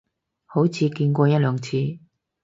好似見過一兩次